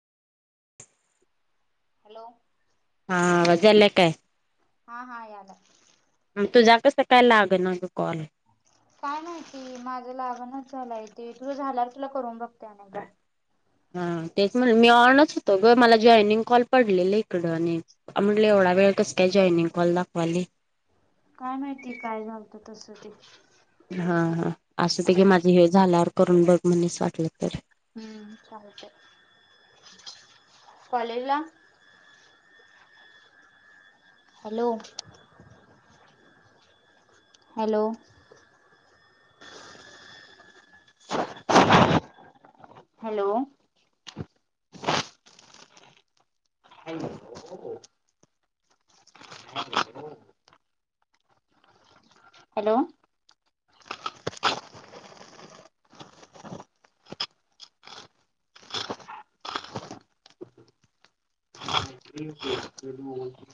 Hello. हा. दाजी आले काय? हा हा. यायला. मग तुझा कसं काय? लागे ना ग कॉल? काय माहीती, माझं लागनाच झालाय, तेे तुझं झाल्या तुला करून बघते अनेकदा. हा, तेच म्हटलं मी ऑनच होतो, ग मला जॉईनिंग कॉल पडलेलं इकडं आणि आणि एवढा वेळ कस काय जॉईनिंग कॉल दाखवायली? काय माहिती? काय झालत? तस ते- हा हा. असं ते माझे हे झाल्यावर करून बघ. म्हस वाटलं तर. हम्म. चालतं. चालेल ना? हॅलो. हॅलो. हॅलो. [inaudible] [unintelligible] हॅलो. [unintelligible]